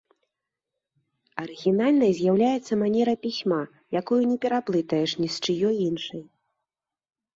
Арыгінальнай з'яўляецца манера пісьма, якую не пераблытаеш ні з чыёй іншай.